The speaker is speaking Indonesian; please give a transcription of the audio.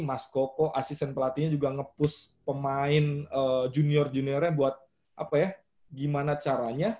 mas koko asisten pelatihnya juga nge push pemain junior juniornya buat apa ya gimana caranya